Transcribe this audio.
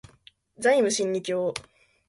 ザイム真理教